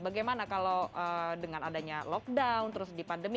bagaimana kalau dengan adanya lockdown terus di pandemi